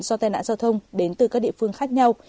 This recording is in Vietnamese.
do tai nạn giao thông đến từ các địa phương khác nhau